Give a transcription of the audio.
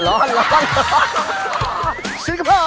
ร้อนร้อนร้อน